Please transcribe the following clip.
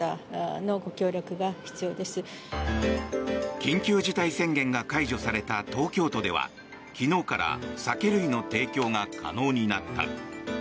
緊急事態宣言が解除された東京都では昨日から酒類の提供が可能になった。